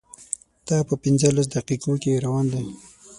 دا په پنځلس دقیقو کې روان دی.